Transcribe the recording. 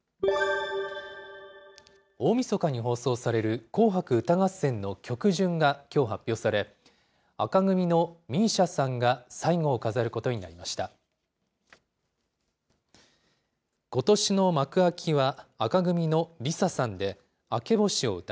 大みそかに放送される紅白歌合戦の曲順が、きょう発表され、紅組のＭＩＳＩＡさんが最後を飾ることになりました。